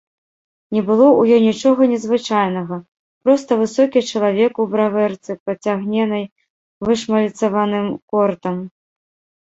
Не было ў ёй нічога незвычайнага, проста высокі чалавек у бравэрцы, пацягненай вышмальцаваным кортам.